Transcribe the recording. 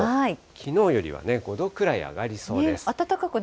きのうよりは５度くらい上がりそうです。